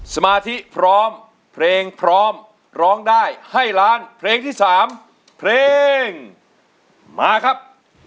สมาธิพร้อมเพลงพร้อมร้องได้ให้ล้านเพลงที่๓เพลงมาครับ